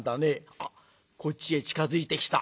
あっこっちへ近づいてきた。